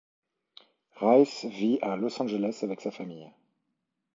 Rice vit à Los Angeles avec sa famille.